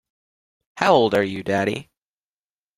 How old are you, daddy.